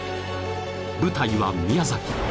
舞台は宮崎